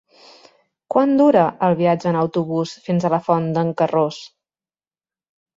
Quant dura el viatge en autobús fins a la Font d'en Carròs?